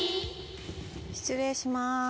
失礼します。